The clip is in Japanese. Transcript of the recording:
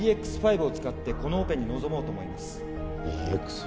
ＥＸ‐５を使ってこのオペに臨もうと思います。